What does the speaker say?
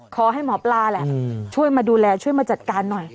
ขอให้หมอปลาแหละช่วยมาดูแลช่วยมาจัดการหน่อย